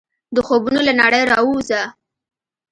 د خوبونو له نړۍ راووځه !